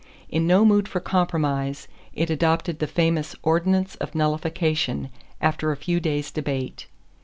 In no mood for compromise, it adopted the famous Ordinance of Nullification after a few days' debate.